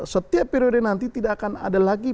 setiap periode nanti tidak akan ada lagi